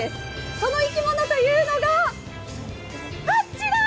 その生き物というのが、あちら。